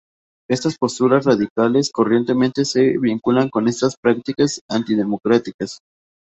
Estas posturas radicales corrientemente se vinculan con prácticas antidemocráticas.